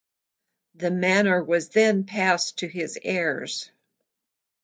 The manor was then passed to his heirs.